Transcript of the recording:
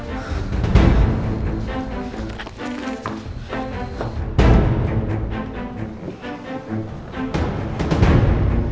akhirnya ketemu juga